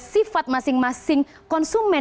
sifat masing masing konsumen